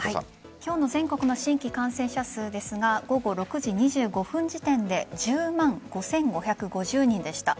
今日の全国の新規感染者数ですが午後６時２５分時点で１０万５５５０人でした。